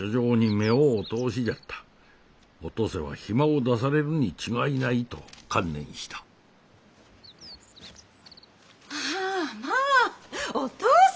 お登勢は暇を出されるに違いないと観念したまあまあお登勢！